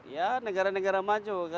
ya negara negara maju